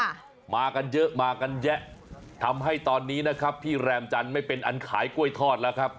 มากันเยอะมากันแยะทำให้ตอนนี้นะครับที่แรมจันทร์ไม่เป็นอันขายกล้วยทอดแล้วครับ